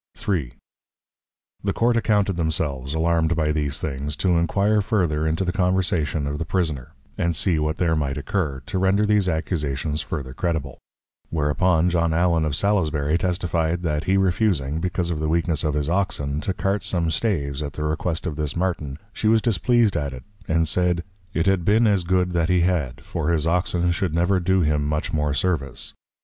_ III. The Court accounted themselves, alarum'd by these Things, to enquire further into the Conversation of the Prisoner; and see what there might occur, to render these Accusations further credible. Whereupon, John Allen of Salisbury, testify'd, That he refusing, because of the weakness of his Oxen, to Cart some Staves at the request of this Martin, she was displeased at it; and said, _It had been as good that he had; for his Oxen should never do him much more Service.